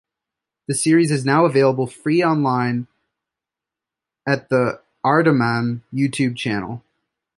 The series is now available free online at the Aardman YouTube channel.